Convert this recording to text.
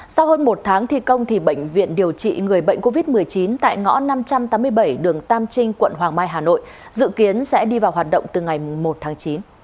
sau hơn một tháng thi công bệnh viện điều trị người bệnh covid một mươi chín tại ngõ năm trăm tám mươi bảy đường tam trinh quận hoàng mai hà nội dự kiến sẽ đi vào hoạt động từ ngày một tháng chín